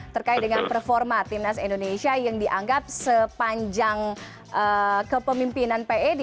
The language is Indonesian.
terkait dengan performa timnas indonesia yang dianggap sepanjang kepemimpinan p e d